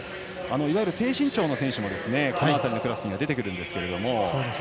いわゆる低身長の選手もこの辺りのクラスには出てきますが。